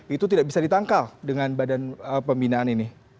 itu tidak bisa ditangkal dengan badan pembinaan ini